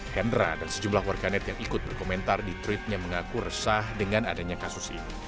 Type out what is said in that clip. hendra dan sejumlah warganet yang ikut berkomentar di tweetnya mengaku resah dengan adanya kasus ini